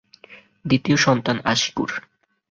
দ্বিতীয় সন্তান আশিকুর।